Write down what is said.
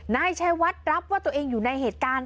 นายชัยวัดรับว่าตัวเองอยู่ในเหตุการณ์